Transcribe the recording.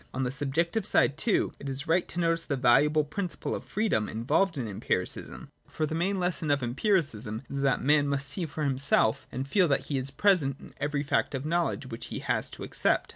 On the subjective side, too, it is right to notice the valuable principle of freedom involved in Empiricism. For the main lesson of Empiricism is that man must see for himself and feel that he is present in every fact of knowledge which he has to accept.